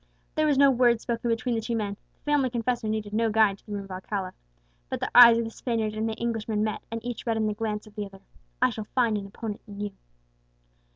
There was no word spoken between the two men; the family confessor needed no guide to the room of Alcala. But the eyes of the Spaniard and the Englishman met, and each read in the glance of the other, "I shall find an opponent in you."